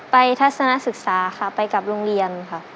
ทัศนศึกษาค่ะไปกับโรงเรียนค่ะ